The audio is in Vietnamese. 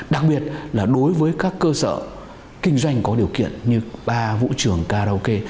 đặc biệt là đối với các cơ sở kinh doanh có điều kiện như ba vũ trường karaoke